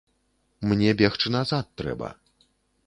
Мне бегчы назад трэба.